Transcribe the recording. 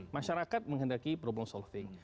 masyarakat menghendaki problem solving